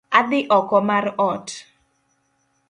Adhi oko mar ot